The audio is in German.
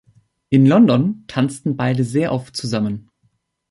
In London tanzten beide sehr oft zusammen.